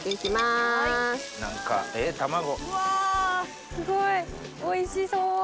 すごいおいしそう！